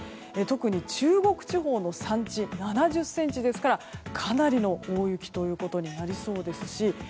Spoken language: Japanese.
特に中国地方の山地は７０ｃｍですからかなりの大雪となりそうですし。